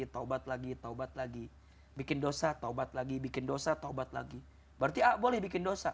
taubat lagi taubat lagi bikin dosa taubat lagi bikin dosa taubat lagi berarti boleh bikin dosa